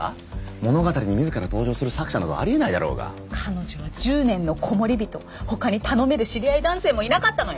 物語に自ら登場する作者などありえないだろうが彼女は１０年のコモリビトほかに頼める知り合い男性もいなかったのよ